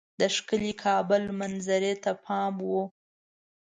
د ښکلي کابل منظرې ته پام وو.